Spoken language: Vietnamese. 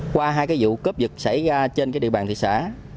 qua hai vụ cướp giật xảy ra trên địa bàn thị xã